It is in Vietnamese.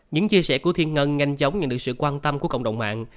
những chia sẻ của thiên ngân nhanh chóng nhận được sự quan tâm của cộng đồng mạng